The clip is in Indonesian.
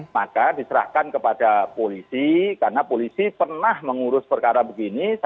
maka diserahkan kepada polisi karena polisi pernah mengurus perkara begini